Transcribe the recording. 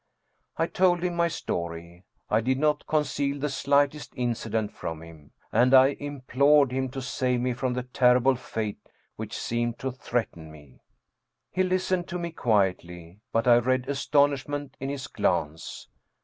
I told him my story; I did not conceal the slightest incident from him, and I implored him to save me from the terrible fate which seemed to threaten me. He listened to me quietly, but I read astonishment in his glance.